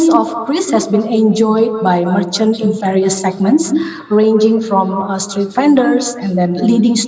berbeda dari pengembangan di jalanan dan kemudahan penjualan di mall